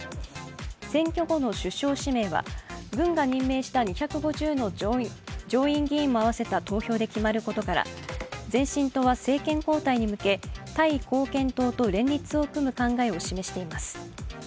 選挙後の首相指名は軍が任命した２５０の上院議員も合わせた投票で決まることから前進党は政権交代に向けタイ貢献党と連立を組む考えを示しています。